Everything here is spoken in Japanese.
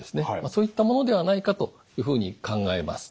そういったものではないかというふうに考えます。